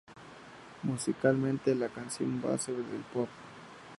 Musicalmente, la canción base del pop.